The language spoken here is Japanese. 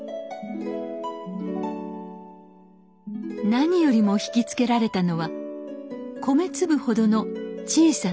何よりも引き付けられたのは米粒ほどの小さな花。